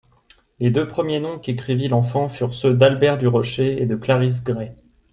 Les deux premiers noms qu'écrivit l'enfant furent ceux d'Albert du Rocher et de Clarice Gray.